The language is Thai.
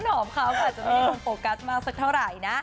อาจจะไม่ได้คงโปรกัสมาสักเท่าไหร่นะ